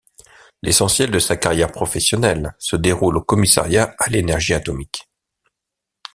L’essentiel de sa carrière professionnelle se déroule au commissariat à l'Énergie atomique.